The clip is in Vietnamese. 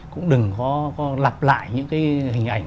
cũng đừng có lặp lại những cái hình ảnh